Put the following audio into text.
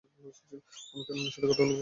আমি কেন উনার সাথে কথা বলব?